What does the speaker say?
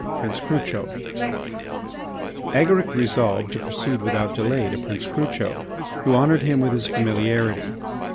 PRINCE CRUCHO Agaric resolved to proceed without delay to Prince Crucho, who honoured him with his familiarity.